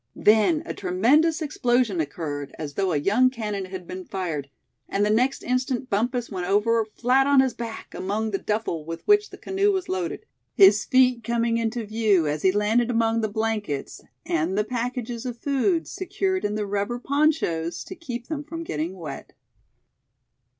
Then a tremendous explosion occurred, as though a young cannon had been fired; and the next instant Bumpus went over flat on his back, among the duffle with which the canoe was loaded, his feet coming into view as he landed among the blankets, and the packages of food, secured in the rubber ponchos to keep them from getting wet.